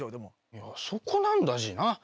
いやそこなんだＧな。